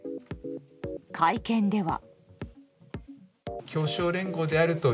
会見では。